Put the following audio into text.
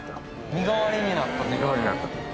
身代わりになった。